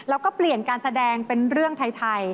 แล้วก็เปลี่ยนการแสดงเป็นเรื่องไทย